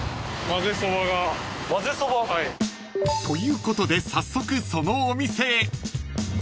［ということで早速そのお店へ］